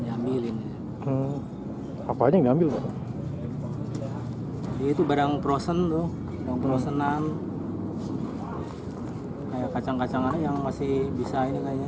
ambilin apa aja ngambil itu barang prosen tuh prosenan kayak kacang kacang ada yang masih bisa